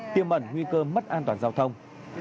tiêm ẩn nguy cơ mất an toàn giao thông